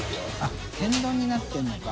天丼になってるのか。